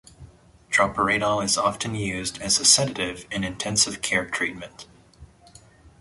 Droperidol is also often used as a sedative in intensive-care treatment.